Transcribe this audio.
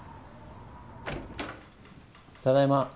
・ただいま。